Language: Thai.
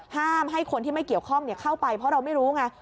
ห้ามให้คนที่ไม่เกี่ยวข้องเข้าไปเพราะเราไม่รู้ไง